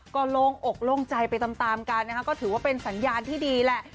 ก็โล่งอกโล่งใจไปตามกันนะคะก็ถือว่าเป็นสัญญาณที่ดีแหละ